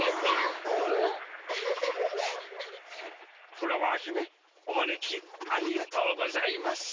フラワーひめおまねきありがとうございます。